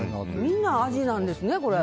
みんな味なんですね、これ。